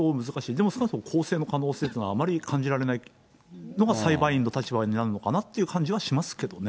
でも少なくとも更生の可能性というのはあまり感じられないのが、裁判員の立場になるのかなという感じはしますけどね。